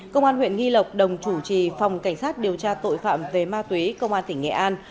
công an huyện nghi lộc đồng chủ trì phòng cảnh sát điều tra tội phạm về ma túy công an tỉnh nghệ an